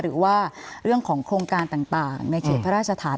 หรือว่าเรื่องของโครงการต่างในเขตพระราชฐาน